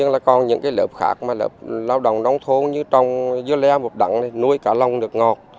lào động nông thôn như trong dưa le một đẳng nuôi cá lông nước ngọt